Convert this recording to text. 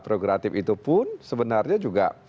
progratif itu pun sebenarnya juga